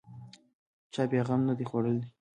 چا بیا غم نه دی خوړلی.